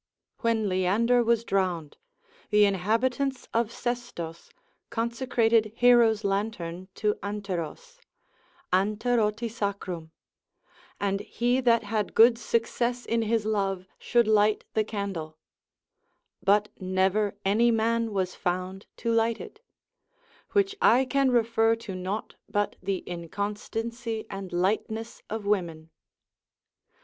When Leander was drowned, the inhabitants of Sestos consecrated Hero's lantern to Anteros, Anteroti sacrum, and he that had good success in his love should light the candle: but never any man was found to light it; which I can refer to nought, but the inconstancy and lightness of women.